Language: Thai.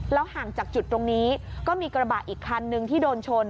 ห่างจากจุดตรงนี้ก็มีกระบะอีกคันนึงที่โดนชน